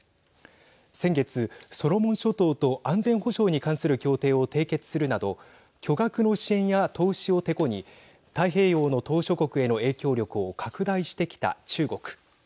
先月、ソロモン諸島と安全保障に関する協定を締結するなど巨額の支援や投資をてこに太平洋の島しょ国への影響力を拡大してきた中国。